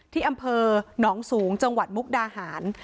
ที่อำเภอหนองสูงจังหวัดมุกดาหาร